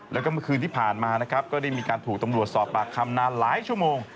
แล้วก็เมื่อคืนที่ผ่านมานะครับก็ได้มีการถูกตำรวจสอบปากคำนานหลายชั่วโมง